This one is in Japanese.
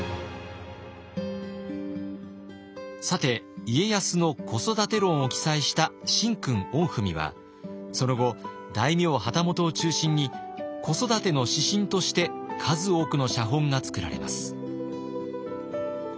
さて家康の子育て論を記載した「神君御文」はその後大名旗本を中心に子育ての指針として数多くの写本が作られます。